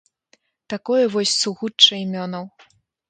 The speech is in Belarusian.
Такое вось сугучча імёнаў.